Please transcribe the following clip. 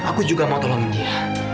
aku juga mau tolong dia